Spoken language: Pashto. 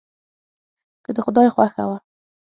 که د خدای خوښه وه.